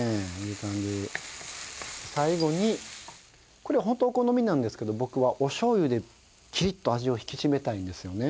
これホントお好みなんですけど僕はお醤油でキリッと味を引き締めたいんですよね。